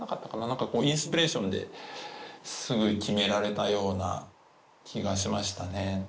何かインスピレーションですぐ決められたような気がしましたね。